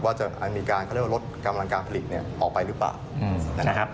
ว่าจะมีการเขาเรียกว่าลดกำลังการผลิตเนี่ยออกไปหรือเปล่านะครับ